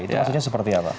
itu maksudnya seperti apa